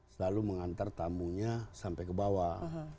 selalu mengantar tamunya sampai ke bawah